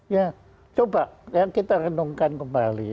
ya coba yang kita renungkan kembali